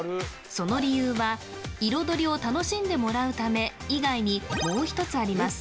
その理由は、彩りを楽しんでもらうため以外にもう一つあります。